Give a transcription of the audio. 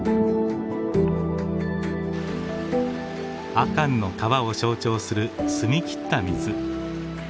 阿寒の川を象徴する澄み切った水。